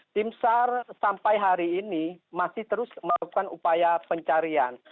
timsar sampai hari ini masih terus melakukan upaya pencarian